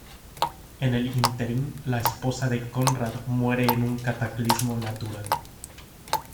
En el ínterin la esposa de Conrad muere en un cataclismo natural.